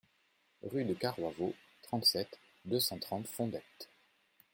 Rue du Carroi Vau, trente-sept, deux cent trente Fondettes